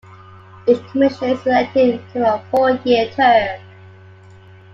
Each commissioner is elected to a four-year term.